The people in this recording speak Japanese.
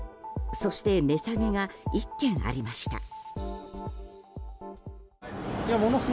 そして値下げが１軒ありました。